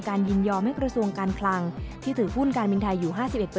ยินยอมให้กระทรวงการคลังที่ถือหุ้นการบินไทยอยู่๕๑